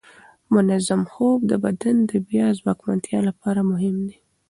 منظم خوب د بدن د بیا ځواکمنتیا لپاره مهم دی.